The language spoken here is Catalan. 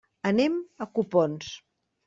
Anem a Copons.